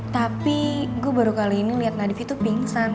tapi gue baru kali ini liat nadif itu pingsan